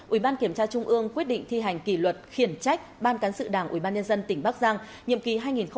ủy ban kiểm tra trung ương quyết định thi hành kỳ luật khiển trách ban cán sự đảng ủy ban nhân dân tỉnh bắc giang nhiệm kỳ hai nghìn hai mươi một hai nghìn hai mươi sáu